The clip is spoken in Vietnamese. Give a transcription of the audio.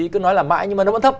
cứ nói là mãi nhưng mà nó vẫn thấp